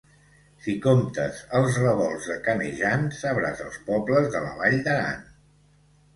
Si comptes els revolts de Canejan, sabràs els pobles de la Vall d'Aran.